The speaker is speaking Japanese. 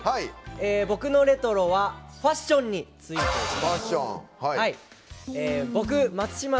僕のレトロはファッションについてです。